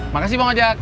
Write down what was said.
makasih bang ajak